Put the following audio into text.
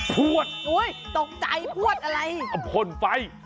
พวดโอ๊ยตกใจพวดอะไรพวดไฟ